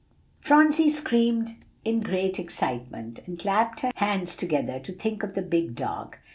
Phronsie screamed in great excitement, and clapped her hands together to think of the big dog.